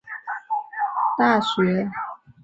杨基宽毕业于国立成功大学外文系。